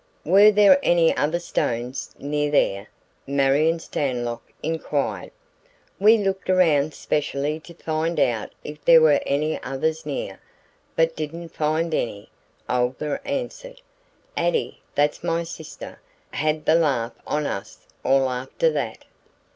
"Were there any other stones near there?" Marion Stanlock inquired. "We looked around specially to find out if there were any others near, but didn't find any," Olga answered. "Addie that's my sister had the laugh on us all after that."